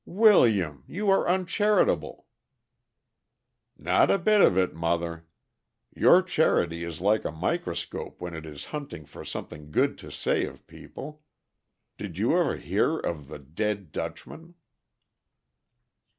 "William, you are uncharitable!" "Not a bit of it, mother. Your charity is like a microscope when it is hunting for something good to say of people. Did you ever hear of the dead Dutchman?"